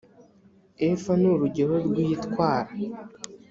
efa ni urugero rw’itwara.